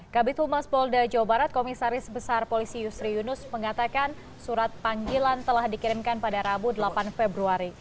kabit humas polda jawa barat komisaris besar polisi yusri yunus mengatakan surat panggilan telah dikirimkan pada rabu delapan februari